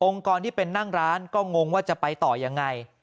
กรที่เป็นนั่งร้านก็งงว่าจะไปต่อยังไง